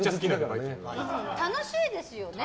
楽しいですよね